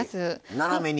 斜めに。